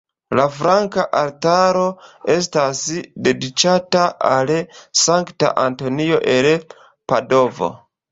La flanka altaro estas dediĉata al Sankta Antonio el Padovo.